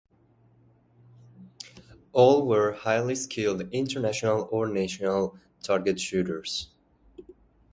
All were highly skilled international or national target shooters.